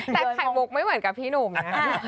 แต่ไข่มุกไม่เหมือนกับพี่หนุ่มนะ